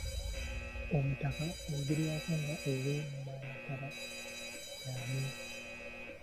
Omutaka ayogerwako nga ow'e Nnamataba y'ani?